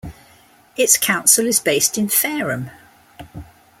Its council is based in Fareham.